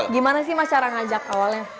gimana sih mas cara ngajak awalnya